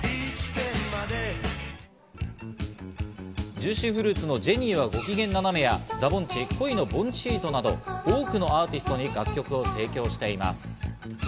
ジューシィ・フルーツの『ジェニーはご機嫌ななめ』や、ザ・ぼんち『恋のぼんちシート』など多くなアーティストに楽曲を提供しています。